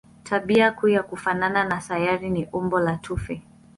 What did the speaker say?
Tabia kuu ya kufanana na sayari ni umbo la tufe.